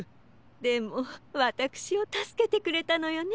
でもわたくしをたすけてくれたのよね。